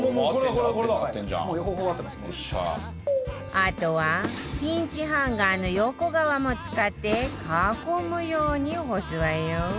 あとはピンチハンガーの横側も使って囲むように干すわよ